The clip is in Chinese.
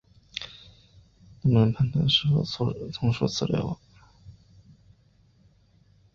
服从德川家康而成为大名的太田氏支流则不能判断是否属于此流。